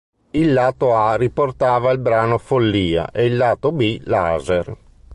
Il lato A riportava il brano "Follia" e il lato B "Laser".